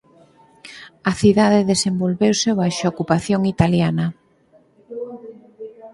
A cidade desenvolveuse baixo a ocupación italiana.